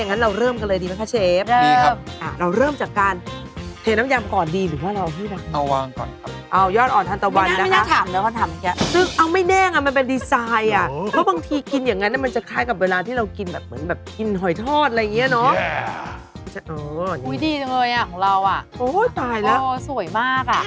อ๋อนี่อุ๊ยดีจังเลยอ่ะของเราอ่ะโอ้ยตายแล้วโอ้ยสวยมากอ่ะ